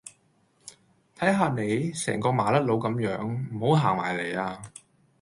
睇下你，成個麻甩佬甘樣，唔好行埋黎呀